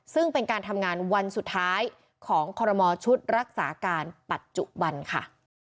ซึ่งเป็นการทำงานวันสุดท้ายของคอรมอชุดรักษาการปัจจุบันค่ะ